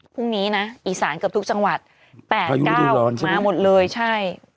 พรุ่งนี้นะอีสานเกือบทุกจังหวัด๘๙มาหมดเลยใช่